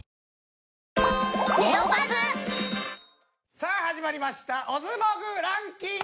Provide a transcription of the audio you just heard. さあ始まりました『オズモグランキング』！